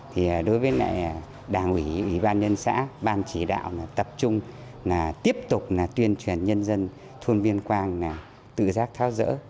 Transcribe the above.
thì đối với đảng ủy ủy ban nhân xã ban chỉ đạo tập trung là tiếp tục tuyên truyền nhân dân thôn biên quang tự giác tháo dỡ